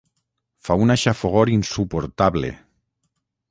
Fa una xafogor insuportable!